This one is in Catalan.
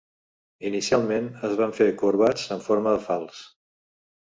Inicialment, es van fer corbats en forma de falç.